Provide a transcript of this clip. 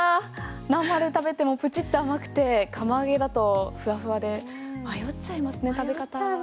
生で食べてもプチっと甘くて釜揚げだとふわふわで迷っちゃいますね。